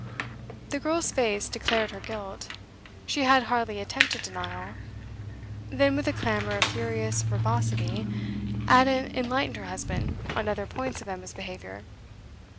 The girl's face declared her guilt; she had hardly attempted denial. Then, with a clamour of furious verbosity, Ada enlightened her husband on other points of Emma's behaviour.